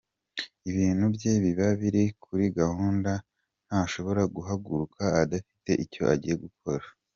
Ibintu bye biba biri kuri gahunda ntashobora guhaguruka adafite icyo agiye gukora.